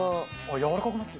やわらかくなってる。